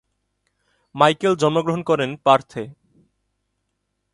Michael জন্মগ্রহণ করেন পার্থে।